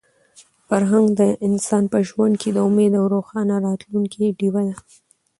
فرهنګ د انسان په ژوند کې د امید او د روښانه راتلونکي ډیوه ده.